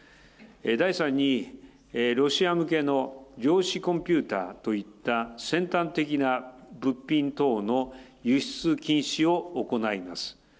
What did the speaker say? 第３にロシア向けの量子コンピューターといった先端的な物品等の輸出禁止を行います。